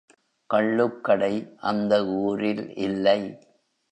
கள்ளுக்கடை அந்த ஊரில் இல்லை.